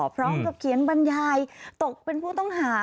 พร้อมกับเขียนบรรยายตกเป็นผู้ต้องหา